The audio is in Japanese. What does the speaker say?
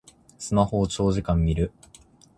スマホを長時間みる